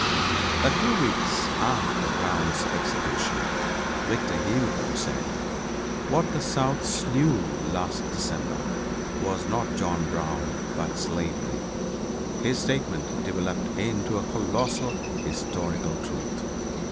A few weeks after Brown's execution Victor Hugo said, "What the South slew last December was not John Brown but slavery." His statement developed into a colossal historical truth.